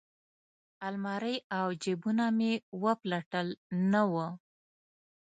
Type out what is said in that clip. المارۍ او جیبونه مې وپلټل نه وه.